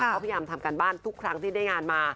เขาพยายามทำการบ้านทุกครั้งที่ได้งานมา